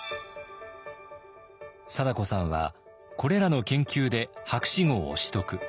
貞子さんはこれらの研究で博士号を取得。